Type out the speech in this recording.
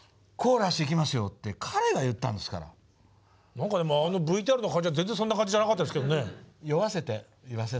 何かでもあのＶＴＲの感じは全然そんな感じじゃなかったですけどね。